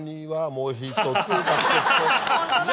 もう１つバスケットホントだ。